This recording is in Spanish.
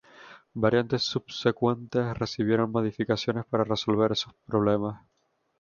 Variantes subsecuentes recibieron modificaciones para resolver esos problemas.